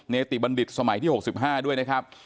ติบัณฑิตสมัยที่๖๕ด้วยนะครับ